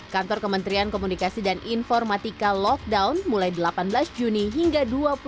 kantor kementerian komunikasi dan informatika lockdown mulai delapan belas juni hingga dua puluh dua